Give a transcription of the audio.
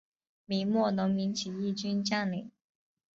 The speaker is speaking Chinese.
明末农民起义军将领。